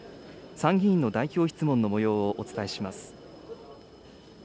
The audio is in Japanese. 参議院の代表質問のもようをお伝えします。